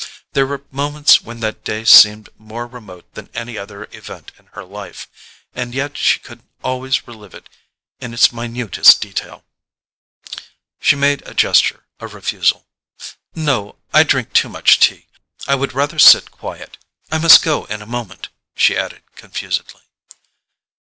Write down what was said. There were moments when that day seemed more remote than any other event in her life; and yet she could always relive it in its minutest detail. She made a gesture of refusal. "No: I drink too much tea. I would rather sit quiet—I must go in a moment," she added confusedly.